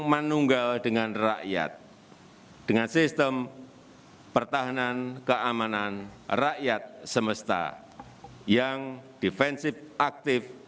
manunggal dengan rakyat dengan sistem pertahanan keamanan rakyat semesta yang defensif aktif